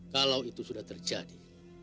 kalau itu sudah terjadi